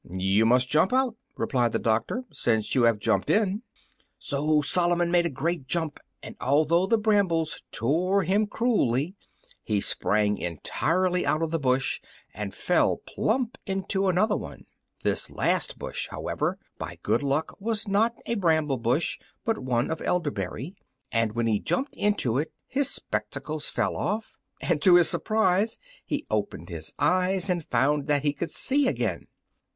"You must jump out," replied the doctor, "since you have jumped in." So Solomon made a great jump, and although the brambles tore him cruelly, he sprang entirely out of the bush and fell plump into another one. This last bush, however, by good luck, was not a bramble bush, but one of elderberry, and when he jumped into it his spectacles fell off, and to his surprise he opened his eyes and found that he could see again.